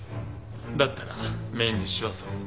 だったらメインディッシュはそれで。